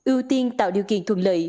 ưu tiên tạo điều kiện thuận lợi